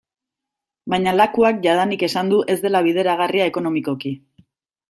Baina Lakuak jadanik esan du ez dela bideragarria ekonomikoki.